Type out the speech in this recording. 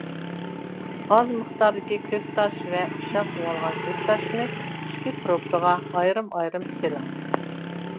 ئاز مىقداردىكى كۆكتاش ۋە ئۇششاق ئۇۋالغان كۆكتاشنى ئىككى پروبىركىغا ئايرىم-ئايرىم سېلىڭ.